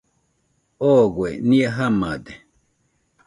Ogoe nɨa jamade